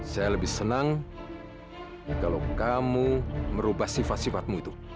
saya lebih senang kalau kamu merubah sifat sifatmu itu